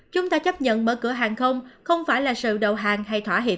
chúng ta chấp nhận mở cửa hàng không không phải là sự đầu hàng hay thỏa hiệp